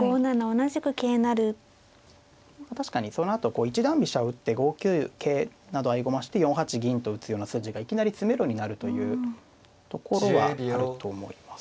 確かにそのあと一段飛車を打って５九桂など合駒して４八銀と打つような筋がいきなり詰めろになるというところはあると思います。